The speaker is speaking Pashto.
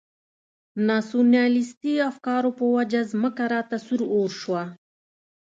ناسیونالیستي افکارو په وجه مځکه راته سور اور شوه.